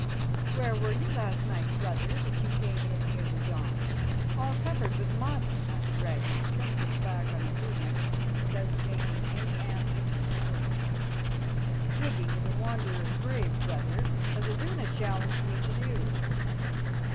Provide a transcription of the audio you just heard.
"Where were you last night, brother, that you came in near the dawn, all covered with mud?" asked Ragnar, turning his back on Iduna, without making any answer to her words. "Digging in the Wanderer's grave, brother, as Iduna challenged me to do."